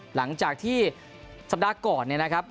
หลังจากที่สัปดาห์ก่อนเนี่ยนะครับ